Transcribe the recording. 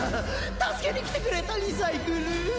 助けに来てくれたリサイクル！？